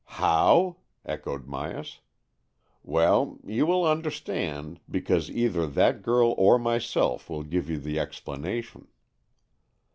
"How?" echoed Myas. "Well, you will understand, because either that girl or myself will give you the explanation."